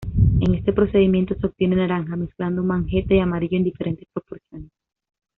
En este procedimiento se obtiene naranja mezclando magenta y amarillo en diferentes proporciones.